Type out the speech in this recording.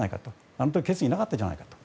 あの時決議はなかったじゃないかと。